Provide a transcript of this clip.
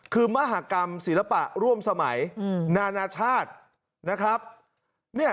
คือมหากรรมศิลปะร่วมสมัยนานาชาตินะครับ